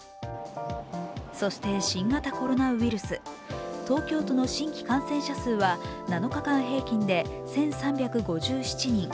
そして新型コロナウイルス東京都の新規感染者数は７日間平均で１３５７人。